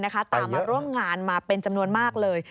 ตามมาร่วมงานมาเป็นจำนวนมากเลย